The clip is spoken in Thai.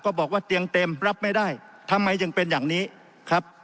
บอกว่าเตียงเต็มรับไม่ได้ทำไมจึงเป็นอย่างนี้ครับ